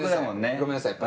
ごめんなさい。